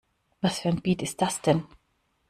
Was für ein Beat ist das denn?